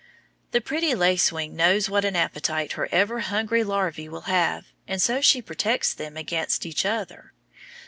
The pretty lacewing knows what an appetite her ever hungry larvæ will have, and so she protects them against each other.